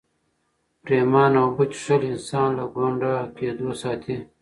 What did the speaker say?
پرېمانه اوبه څښل انسان له ګونډه کېدو ساتي.